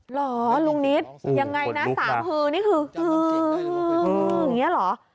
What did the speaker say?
เหรอลุงนิดยังไงนะสามฮือนี่คือฮืออย่างนี้เหรอ